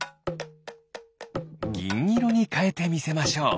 ぎんいろにかえてみせましょう！